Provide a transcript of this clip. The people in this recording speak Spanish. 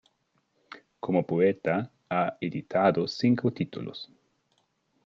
Como poeta, ha editado cinco títulos.